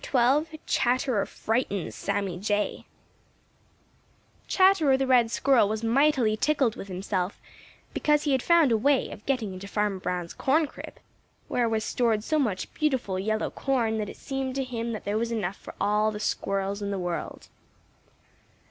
*XII* *CHATTERER FRIGHTENS SAMMY JAY* Chatterer the Red Squirrel was mightily tickled with himself because he had found a way of getting into Farmer Brown's corn crib, where was stored so much beautiful yellow corn that it seemed to him that there was enough for all the Squirrels in the world.